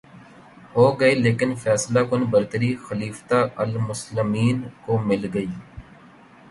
ہوگئے لیکن فیصلہ کن برتری خلیفتہ المسلمین کو مل گئ